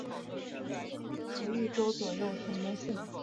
属邕州右江道羁縻州。